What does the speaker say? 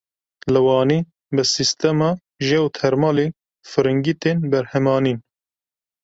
Li Wanê bi sîstema jeotermalê firingî tên berhemanîn.